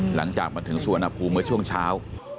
หลังจากมาถึงสุวรรณภูมิเมื่อช่วงเช้า